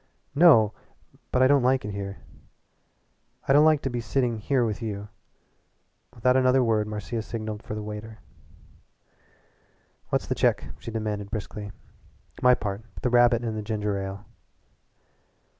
"No, but I don't like it here. I don't like to be sitting here with you." Without another word Marcia signalled for the waiter. "What's the check?" she demanded briskly "My part the rabbit and the ginger ale."